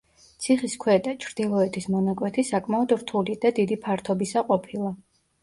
ციხის ქვედა, ჩრდილოეთის მონაკვეთი, საკმაოდ რთული და დიდი ფართობისა ყოფილა.